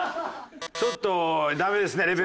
ちょっとダメですね